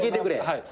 はい。